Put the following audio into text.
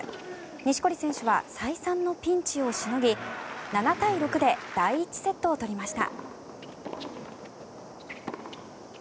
錦織選手は再三のピンチをしのぎ７対６で第１セットを取りました。